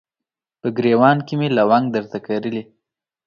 په ګریوان کې مې لونګ درته کرلي